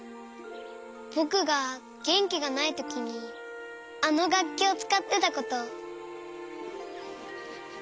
ぼくがげんきがないときにあのがっきをつかってたこと。